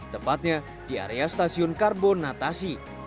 tepatnya di area stasiun karbonatasi